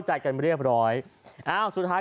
มีคนใจดีก็ตัดสินใจน